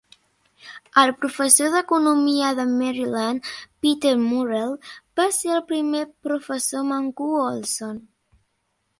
El professor d'Economia de Maryland, Peter Murrell, va ser el primer professor Mancur Olson.